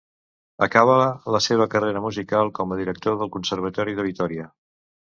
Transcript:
Acabà la seva carrera musical com a director del Conservatori de Vitòria.